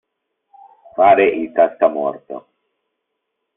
Fare il cascamorto.